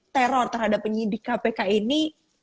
teror terhadap penyidik kpk ini